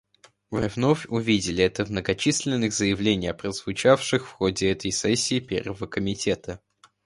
Мы вновь увидели это в многочисленных заявлениях, прозвучавших в ходе этой сессии Первого комитета.